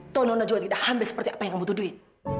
tau nona juga tidak hamil seperti apa yang kamu tuduhin